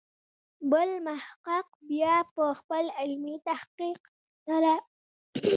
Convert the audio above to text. بل محقق بیا په خپل علمي تحقیق سره.